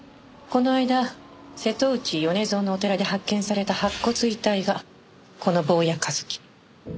この間瀬戸内米蔵のお寺で発見された白骨遺体がこの坊谷一樹。